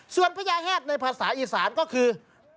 ส่วนพญาแฮดในภาษาอีสานก็คือ